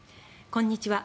こんにちは。